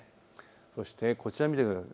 そしてこちらを見てください。